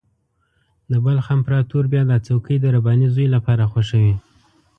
د بلخ امپراطور بیا دا څوکۍ د رباني زوی لپاره خوښوي.